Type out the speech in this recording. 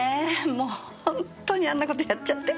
もう本当にあんな事やっちゃって。